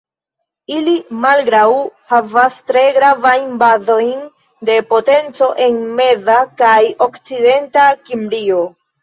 Ili malgraŭ havas tre gravajn bazojn de potenco en meza kaj okcidenta Kimrio.